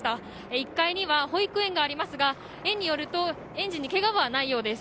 １階には保育園がありますが園によると園児にけがはないようです。